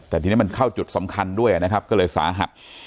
แต่ทีนี้มันเข้าจุดสำคัญด้วยนะครับก็เลยสาหัส